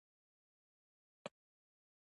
ما پوښتنه وکړه: ته څنګه ېې، روغتیا دي ښه ده؟